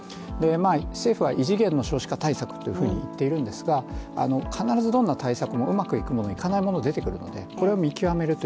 政府は異次元の少子化対策というふうにいっているんですが必ずどんな対策にも、うまくいかないものが出てくるので、これを見極めること。